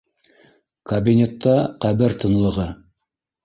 — Кабинетта ҡәбер тынлығы